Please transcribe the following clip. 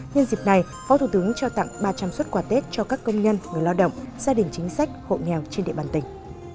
nhân dịp này phó thủ tướng cho tặng ba trăm linh xuất quà tết cho các công nhân người lao động gia đình chính sách hộ nghèo trên địa bàn tỉnh